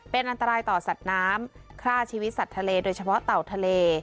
เป็นอันตรายต่อสัตว์น้ำฆ่าชีวิตสัตว์ทะเลโดยเฉพาะเต่าทะเล